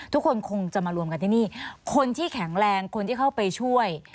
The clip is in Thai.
ทุกคนคงจะมารวมกันที่นี่คนที่แข็งแรงคนที่เข้าไปช่วย